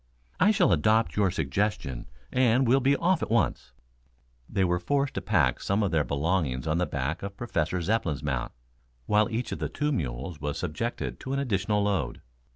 I shall adopt your suggestion and we'll be off at once." They were forced to pack some of their belongings on the back of Professor Zepplin's mount, while each of the two mules was subjected to an additional load.